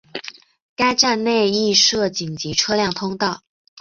该站内亦设紧急车辆通道。